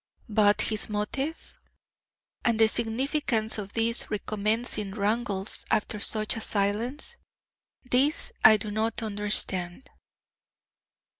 But his motive? And the significance of these recommencing wrangles, after such a silence? This I do not understand!